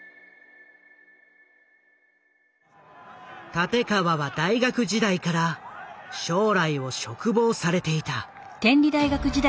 立川は大学時代から将来を嘱望されていた。